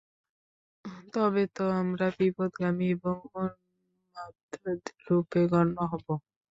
তবে তো আমরা বিপথগামী এবং উন্মাদরূপে গণ্য হব।